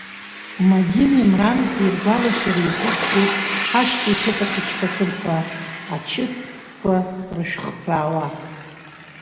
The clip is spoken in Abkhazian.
Мадинеи Мрамзеи ргәалашәара иазыскуеит ҳашҭа иҭоуп ахьычԥаԥырқәа, ачыҭ ҵкқәа рышәхԥраауа.